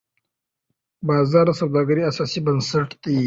بازار د سوداګرۍ اساسي بنسټ دی.